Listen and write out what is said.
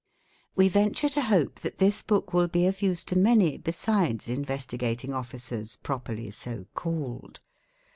We venture to hope that this book will be of use to many besides Investigating Officers properly so called.